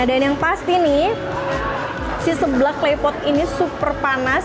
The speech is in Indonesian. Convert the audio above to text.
nah dan yang pasti nih si sebelah claypot ini super panas